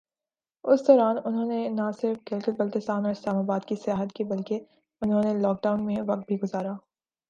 اس دوران انھوں نے نہ صرف گلگت بلستان اور اسلام آباد کی سیاحت کی بلکہ انھوں نے لاک ڈاون میں وقت بھی گزرا۔